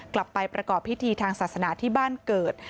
กลับไปประกอบพิธีทางศาสนาที่บ้านเกิด